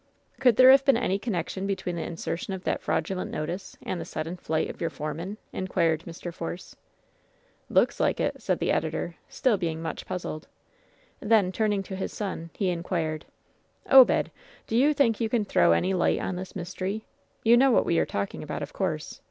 "Could there have been any connection between the insertion of that fraudulent notice and the sudden fii^t of your foreman ?" inquired Mr. Force. "Looks like it," said the editor, still being much puzzled. Then, turning to his son, he inquired: "Obed, do you think you can throw any light on this mystery? You know what we are talking about, of course.